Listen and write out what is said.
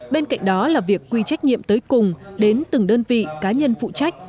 bên cạnh đó là việc quy trách nhiệm tới cùng đến từng đơn vị cá nhân phụ trách